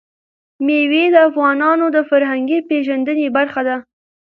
مېوې د افغانانو د فرهنګي پیژندنې برخه ده.